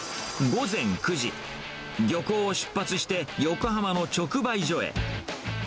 午前９時、漁港を出発して、横浜の直売所へ。